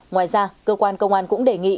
ngoài ra cơ quan công an cũng đề nghị